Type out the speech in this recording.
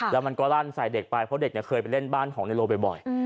แล้วมันก็ลั่นใส่เด็กไปเพราะเด็กเคยไปเล่นบ้านของในโลบ่อย